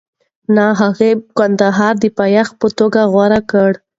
نه، هغه کندهار د پایتخت په توګه غوره کړ.